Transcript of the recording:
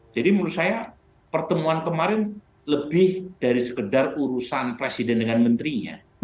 jadi menurut saya pertemuan kemarin lebih dari sekedar urusan presiden dengan menterinya